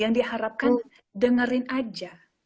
yang diharapkan dengerin aja